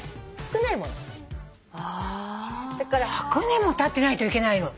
１００年もたってないといけないの？